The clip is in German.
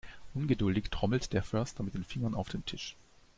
Ungeduldig trommelt der Förster mit den Fingern auf dem Tisch.